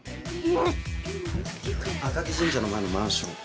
赤城神社の前のマンション。